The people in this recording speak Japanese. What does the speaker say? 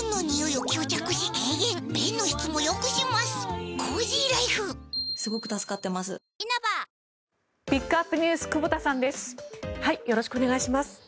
よろしくお願いします。